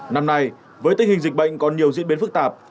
năm nay với tình hình dịch bệnh còn nhiều diễn biến phức tạp